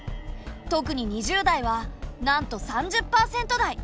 特に２０代はなんと３０％台。